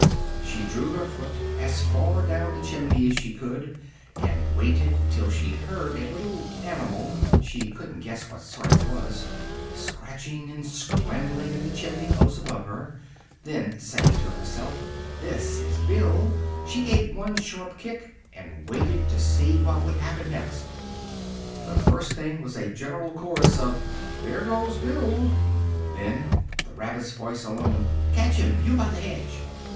She drew her foot as far down the chimney as she could, and waited till she heard a little animal (she couldn't guess what sort it was) scratching and scrambling in the chimney close above her: then, saying to herself "this is Bill," she gave one sharp kick, and waited again to see what would happen next. The first thing was a general chorus of "there goes Bill!" then the rabbit's voice alone "catch him, you by the hedge!"